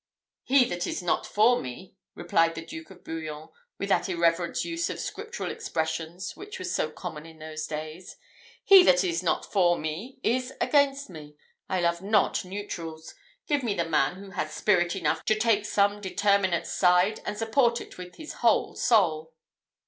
"He that is not for me," replied the Duke of Bouillon, with that irreverent use of scriptural expressions which was so common in those days "he that is not for me is against me. I love not neutrals. Give me the man who has spirit enough to take some determinate side, and support it with his whole soul."